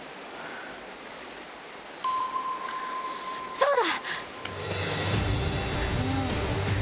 そうだ！